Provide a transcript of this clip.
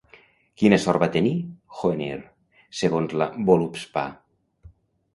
Quina sort va tenir, Hœnir, segons la Völuspá?